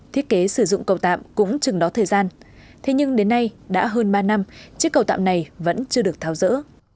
thiết kế sử dụng cầu tạm cũng chừng đó thời gian thế nhưng đến nay đã hơn ba năm chiếc cầu tạm này vẫn chưa được tháo rỡ